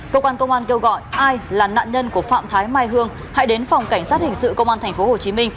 cơ quan công an kêu gọi ai là nạn nhân của phạm thái mai hương hãy đến phòng cảnh sát hình sự công an tp hcm